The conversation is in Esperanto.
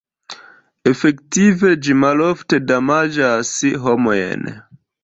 Efektive, ĝi malofte damaĝas homojn.